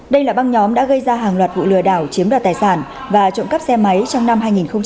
đây là băng nhóm đã gây ra hàng loạt vụ lừa đảo chiếm đoạt tài sản và trộm cắp xe máy trong năm hai nghìn hai mươi ba